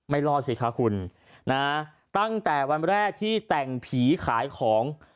รอดสิคะคุณนะตั้งแต่วันแรกที่แต่งผีขายของ